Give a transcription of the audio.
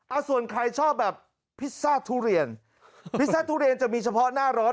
ส่วนใครชอบแบบพิซซ่าทุเรียนพิซซ่าทุเรียนจะมีเฉพาะหน้าร้อน